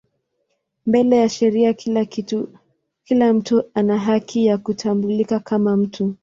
Mbele ya sheria kila mtu ana haki ya kutambulika kama mtu.